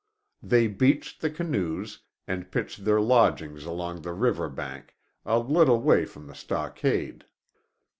They beached the canoes, and pitched their lodges along the river bank, a little way from the stockade.